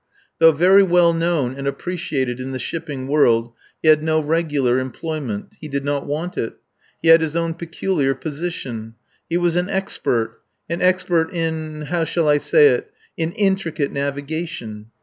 Though very well known and appreciated in the shipping world, he had no regular employment. He did not want it. He had his own peculiar position. He was an expert. An expert in how shall I say it? in intricate navigation.